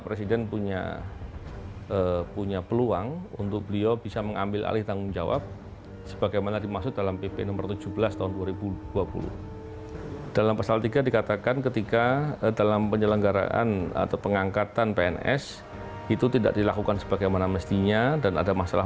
berikutnya keputusan mahkamah konstitusi yang tidak diikuti pimpinan terkait alih status jabatan pegawai ini di dalam undang undang kpk